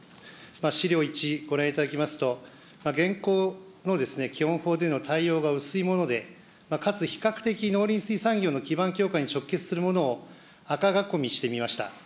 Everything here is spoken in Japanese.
資料１、ご覧いただきますと、現行の基本法での対応が薄いもので、かつ比較的農林水産業の基盤強化に直結するものを、赤囲みしてみました。